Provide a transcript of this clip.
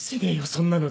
そんなので。